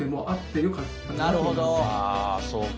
あそうか。